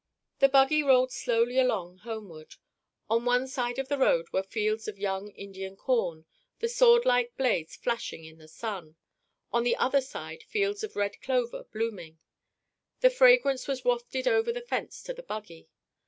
The buggy rolled slowly along homeward. On one side of the road were fields of young Indian corn, the swordlike blades flashing in the sun; on the other side fields of red clover blooming; the fragrance was wafted over the fence to the buggy.